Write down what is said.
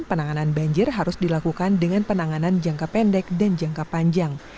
penanganan banjir harus dilakukan dengan penanganan jangka pendek dan jangka panjang